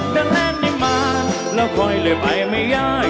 เดินแลนด์ได้มาแล้วคอยเลยไปไม่ยาก